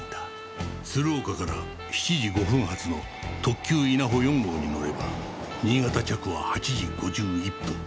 鶴岡から７時５分発の特急いなほ４号に乗れば新潟着は８時５１分。